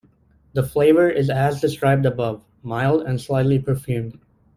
The flavor is as described above, mild and slightly perfumed.